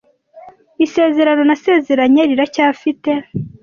Isezerano nasezeranye riracyafite.